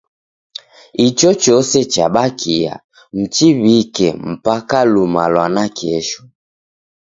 Ichochose chabakiaa mchiw'ike mpaka luma lwa nakesho.